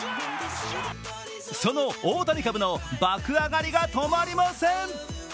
その大谷株の爆上がりが止まりません。